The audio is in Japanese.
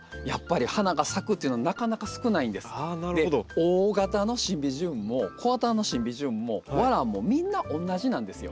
大型のシンビジウムも小型のシンビジウムも和ランもみんなおんなじなんですよ。